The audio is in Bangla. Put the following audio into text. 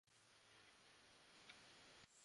ছয়টার সময় রেডি থেকো।